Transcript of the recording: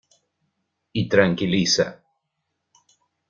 Y tranquiliza.